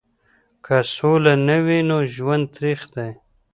که سوله نه وي نو ژوند تریخ دی.